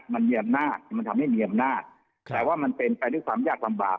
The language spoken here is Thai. มันเหนียมหน้ามันทำให้เหนียมหน้าแต่ว่ามันเป็นไปด้วยความยากลำบาก